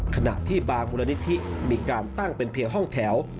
ขณะที่บางมูลนิธิมีการตั้งเป็นเพียงห้องแถว